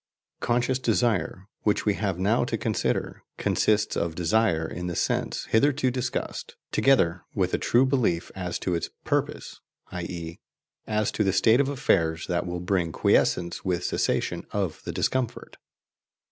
"Conscious" desire, which we have now to consider, consists of desire in the sense hitherto discussed, together with a true belief as to its "purpose," i.e. as to the state of affairs that will bring quiescence with cessation of the discomfort.